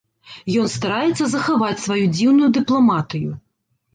Ён стараецца захаваць сваю дзіўную дыпламатыю.